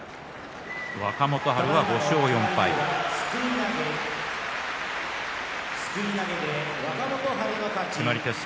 若元春は５勝４敗です。